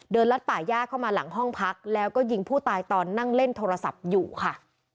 ลัดป่าย่าเข้ามาหลังห้องพักแล้วก็ยิงผู้ตายตอนนั่งเล่นโทรศัพท์อยู่ค่ะ